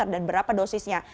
dan berapa dosisnya